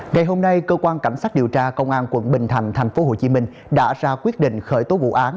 ngày hôm nay cơ quan cảnh sát điều tra công an quận bình thành tp hcm đã ra quyết định khởi tố vụ án